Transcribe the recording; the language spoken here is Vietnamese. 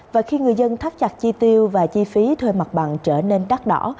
và khi người dân thắt chặt chi tiêu và chi phí thuê mặt bằng trở nên đắt đỏ